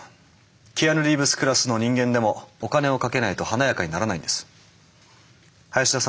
キアヌ・リーブスクラスの人間でもお金をかけないと華やかにならないんです。